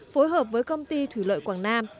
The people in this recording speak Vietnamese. phối hợp với công ty thủy lợi quảng nam